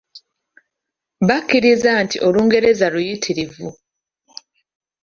Bakkiriza nti Olungereza luyitirivu.